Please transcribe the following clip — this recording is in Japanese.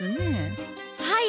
はい。